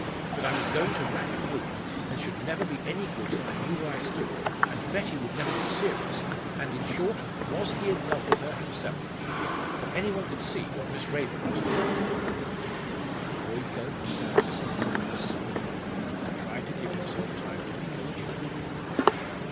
But I was going to rack and ruin, and should never be any good till I knew where I stood and Betty would never be serious and, in short, was he in love with her himself? for any one could see what Miss Raeburn was thinking of." The boy gulped down something like a sob, and tried to give himself time to be coherent again.